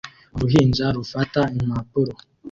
Uruhinja rufata impapuro